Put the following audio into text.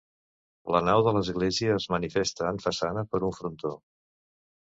La nau de l'església es manifesta en façana per un frontó.